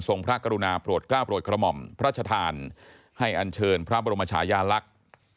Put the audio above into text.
พระกรุณาโปรดกล้าโปรดกระหม่อมพระชธานให้อันเชิญพระบรมชายาลักษณ์